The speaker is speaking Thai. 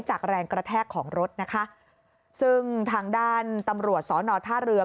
แรงกระแทกของรถนะคะซึ่งทางด้านตำรวจสอนอท่าเรือ